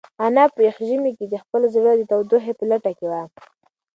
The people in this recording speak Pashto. انا په یخ ژمي کې د خپل زړه د تودوخې په لټه کې وه.